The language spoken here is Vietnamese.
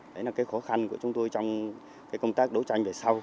đấy là khó khăn của chúng tôi trong công tác đấu tranh về sau